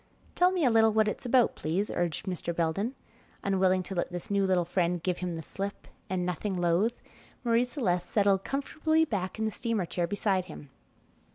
"Tell me a little what it's about, please," urged Mr. Belden, unwilling to let this new little friend give him the slip, and nothing loath, Marie Celeste settled comfortably back in the steamer chair beside him.